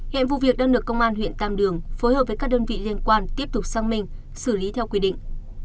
hẹn vụ việc đơn lực công an huyện tam đường phối hợp với các đơn vị liên quan tiếp tục sang mình xử lý theo quy định